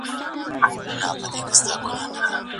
اسلامي قوانین کامل دي.